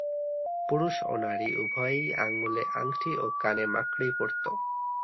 পুরুষ ও নারী উভয়েই আঙুলে আঙটি ও কানে মাকড়ি পরত।